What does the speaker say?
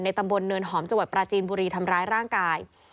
ตำบลเนินหอมจังหวัดปราจีนบุรีทำร้ายร่างกาย